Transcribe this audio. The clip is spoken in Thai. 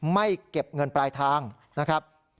ไม่เก็บเงินปลายทางนะครับ